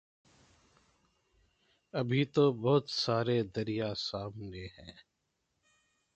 ابھی تو بہت سارے دریاسامنے ہیں۔